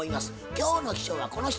今日の秘書はこの人。